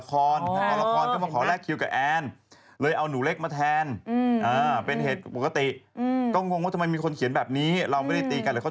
เขาบอกว่าคุณติดงานคุณอ้อนมีงานเยอะ